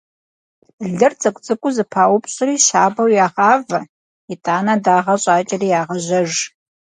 Лыр цӀыкӀу-цӀыкӀуу зэпаупщӀри щабэу ягъавэ, итӀанэ дагъэ щӀакӀэри ягъажьэж.